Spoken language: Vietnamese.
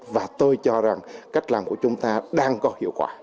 và tôi cho rằng cách làm của chúng ta đang có hiệu quả